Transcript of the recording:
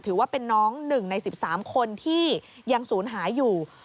ถือว่าเป็นน้อง๑ใน๑๓คนที่ยังศูนย์หายอยู่